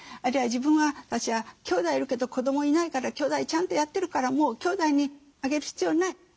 あるいは自分たちは兄弟いるけど子どもいないから兄弟ちゃんとやってるからもう兄弟にあげる必要ない。